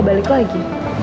gak balik lagi